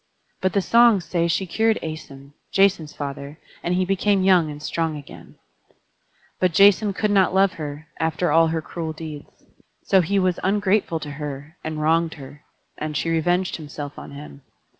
But the songs say she cured Æson, Jason's father, and he became young and strong again. But Jason could not love her, after all her cruel deeds. So he was ungrateful to her, and wronged her: and she revenged herself on him.